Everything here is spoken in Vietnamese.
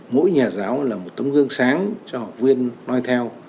mỗi nhà giáo là một tấm gương sáng cho học viên nói theo